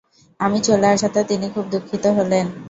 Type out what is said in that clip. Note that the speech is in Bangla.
আমি চলে আসাতে তিনি খুব দুঃখিত হলেন।